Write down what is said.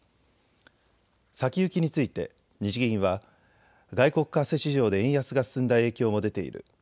先行きについて日銀は外国為替市場で円安が進んだ影響も出ている。